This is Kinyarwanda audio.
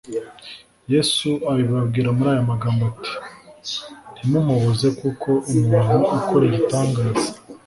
Yesu abibabwira muri aya magambo ati :« Ntimumubuze kuko umuntu ukora igitangaza